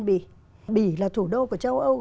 bỉ là thủ đô của châu âu